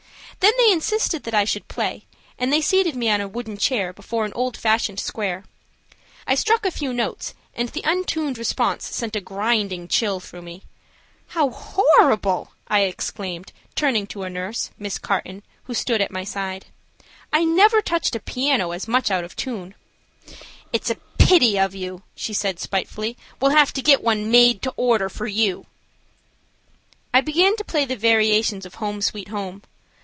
Then they insisted that I should play, and they seated me on a wooden chair before an old fashioned square. I struck a few notes, and the untuned response sent a grinding chill through me. "How horrible," I exclaimed, turning to a nurse, Miss McCarten, who stood at my side. "I never touched a piano as much out of tune." "It's a pity of you," she said, spitefully; "we'll have to get one made to order for you." I began to play the variations of "Home Sweet Home."